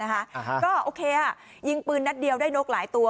ก็โอเคยิงปืนนัดเดียวได้นกหลายตัว